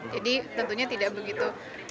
jadi tentunya tidak begitu